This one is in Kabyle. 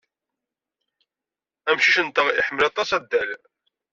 Amcic-nteɣ iḥemmel aṭas adal.